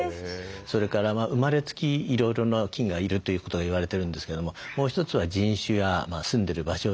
それから生まれつきいろいろな菌がいるということが言われてるんですけどももう一つは人種や住んでる場所